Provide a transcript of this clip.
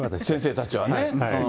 先生たちはね。